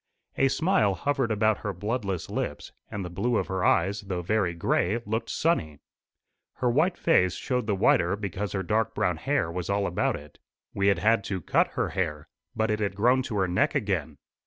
A smile hovered about her bloodless lips, and the blue of her eyes, though very gray, looked sunny. Her white face showed the whiter because her dark brown hair was all about it. We had had to cut her hair, but it had grown to her neck again.